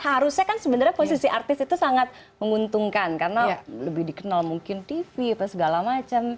harusnya kan sebenarnya posisi artis itu sangat menguntungkan karena lebih dikenal mungkin tv apa segala macam